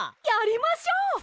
やりましょう！